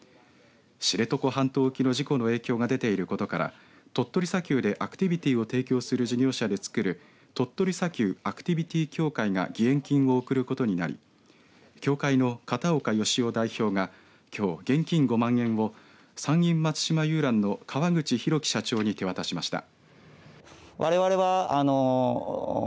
知床半島沖の事故の影響が出ていることから鳥取砂丘でアクティビティーを提供する事業者で作る鳥取砂丘アクティビティ協会が義援金を贈ることになり協会の片岡義夫代表が、きょう現金５万円を山陰松島遊覧の川口博樹社長に手渡しました。